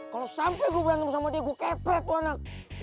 kalau sampai gue berantem sama dia gue kepret gue anak